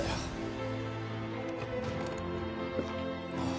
ああ。